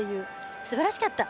すばらしかった。